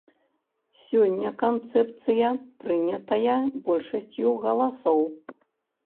Сёння канцэпцыя прынятая большасцю галасоў.